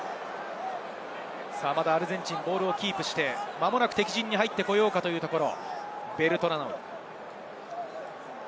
アルゼンチン、まだボールをキープして間もなく敵陣に入ってこようというところ。